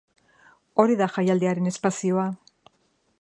Hori da jaialdiaren espazioa.